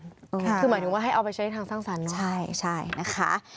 คือหมายถึงว่าให้เอาไปใช้ทางสร้างสรรค์เนอะใช่นะคะ